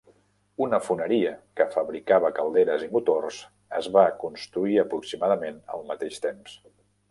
Una foneria que fabricava calderes i motors es va construir aproximadament al mateix temps.